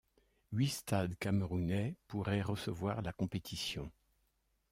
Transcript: Huit stades camerounais pourraient recevoir la compétition.